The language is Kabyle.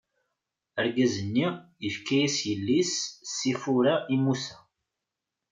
Argaz-nni ifka-as yelli-s Sifura i Musa.